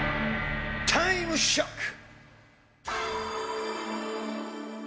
タイムショック！